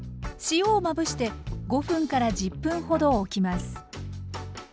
塩をまぶして５分から１０分ほどおきます。